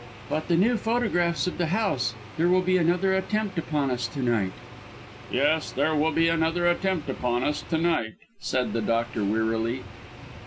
"But the new photographs of the house? There will be another attempt upon us to night." "Yes, there will be another attempt upon us, to night," said the doctor wearily.